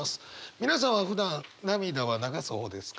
皆さんはふだん涙は流す方ですか？